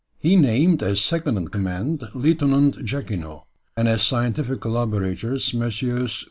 He named as second in command Lieutenant Jacquinot, and as scientific colloborateurs Messrs.